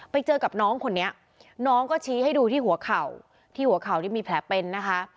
ไปเจอกับน้องคนนี้น้องก็ชี้ให้ดูที่หัวเข่าที่หัวเข่านี่มีแผลเป็นนะคะ